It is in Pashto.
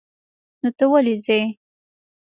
نو ته ولې ځې؟